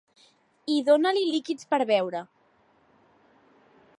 I donar-li líquids per beure.